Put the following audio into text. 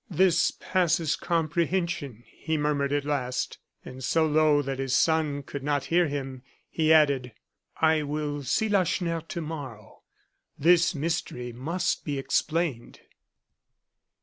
"This passes comprehension," he murmured at last. And so low that his son could not hear him, he added: "I will see Lacheneur to morrow; this mystery must be explained."